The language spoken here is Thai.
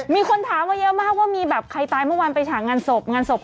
มีคนถามมาเยอะมากว่ามีแบบใครตายเมื่อวานไปฉากงานศพงานศพ